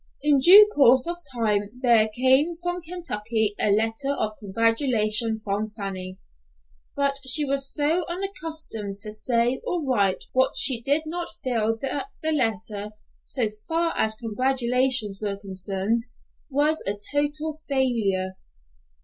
In due course of time there came from Kentucky a letter of congratulation from Fanny; but she was so unaccustomed to say or write what she did not feel that the letter, so far as congratulations were concerned, was a total failure.